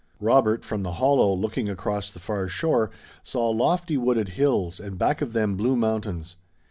Robert, from the hollow, looking across the far shore, saw lofty, wooded hills and back of them blue mountains.